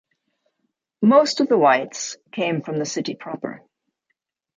Most of the Whites came from the city proper.